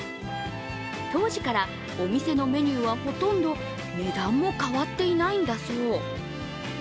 当時からお店のメニューはほとんど値段も変わっていないんだそう。